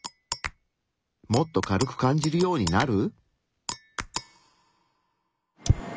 もっと軽く感じるようになる？